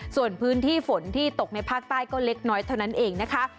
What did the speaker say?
ส่วนพื้นที่ฝนที่ตกในภาคใต้ก็เล็กน้อยเท่านั้นเองนะคะ